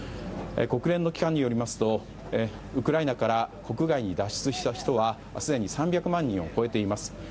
国連の機関によりますとウクライナから国外に脱出した人はすでに３００万人を超えています。